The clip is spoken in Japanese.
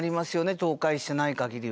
倒壊していない限りは。